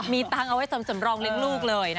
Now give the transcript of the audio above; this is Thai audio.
มีเงินเอาไว้สำรองเล่นลูกเลยนะ